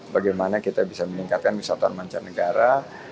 bagaimana kita bisa meningkatkan wisatawan mancanegara